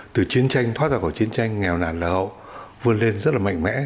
từ chiến tranh thoát ra khỏi chiến tranh nghèo nản lợi hậu vươn lên rất là mạnh mẽ